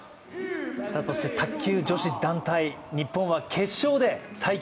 卓球女子団体、日本は決勝で最強